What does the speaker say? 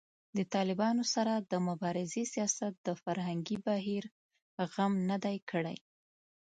د طالبانو سره د مبارزې سیاست د فرهنګي بهیر غم نه دی کړی